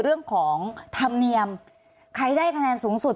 เรื่องของธรรมเนียมใครได้คะแนนสูงสุด